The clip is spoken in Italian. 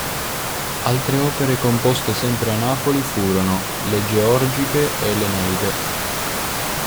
Altre opere composte sempre a Napoli furono le "Georgiche" e l"'Eneide".